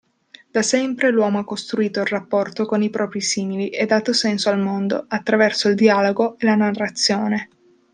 Da sempre l'uomo ha costruito il rapporto con i propri simili e dato senso al mondo, attraverso il dialogo e la narrazione.